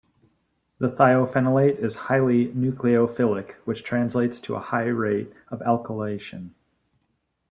The thiophenolate is highly nucleophilic, which translates to a high rate of alkylation.